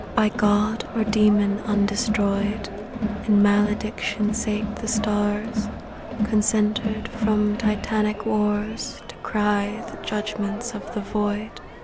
By god or demon undestroyed, In malediction sate the stars, Concentered from Titanic wars To cry the judgments of the Void.